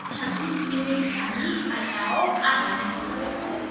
მოჰყავთ შაქრის ლერწამი, კაკაო, ყავა.